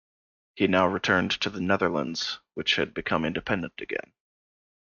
He now returned to the Netherlands which had become independent again.